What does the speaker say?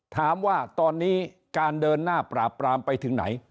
ถามว่าตอนนี้การเดินหน้าปราบปรามไปถึงไหน